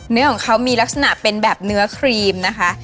เนื้อของเขามีลักษณะเป็นแบบเนื้อครีมนะคะ